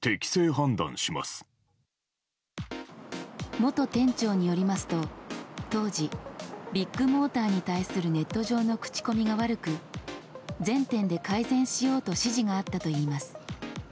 元店長によりますと当時、ビッグモーターに対するネット上の口コミが悪く全店で改善しようと指示があったといいます。